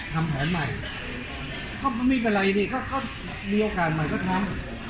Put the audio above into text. ทำแผนใหม่เขามีเป็นไรนี่เขามีโอกาสใหม่ก็ทำ